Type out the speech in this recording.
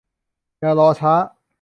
อย่ารอช้า